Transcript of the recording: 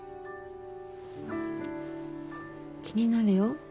気になるよ。